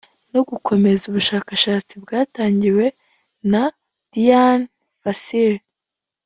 no gukomeza ubushakashatsi bwatangiwe na Dian Fossey